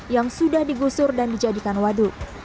yang sudah digusur dan dijadikan waduk